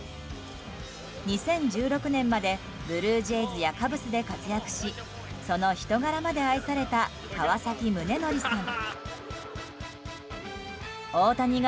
２０１６年までブルージェイズやカブスで活躍しその人柄まで愛された川崎宗則さん。